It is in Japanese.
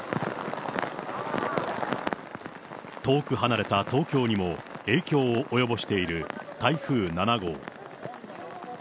遠く離れた東京にも、影響を及ぼしている台風７号。